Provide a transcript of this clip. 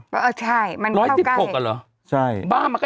เออใช่มันเข้าใกล้ร้อยสิบหกอ่ะเหรอใช่บ้ามันก็ยังไม่สูง